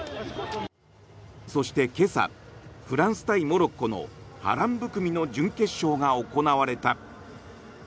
そして今朝フランス対モロッコの波乱含みの準決勝が行われた。